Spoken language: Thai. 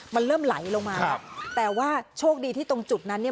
มันเริ่มไหลลงมาครับแต่ว่าโชคดีที่ตรงจุดนั้นเนี่ย